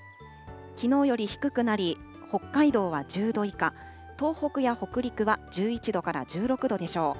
きのうより低くなり、北海道は１０度以下、東北や北陸は１１度から１６度でしょう。